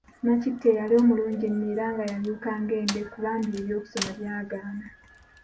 Nakitto eyali omulungi ennyo era nga yamyuka ng'endeku bambi eby'okusoma byagaana.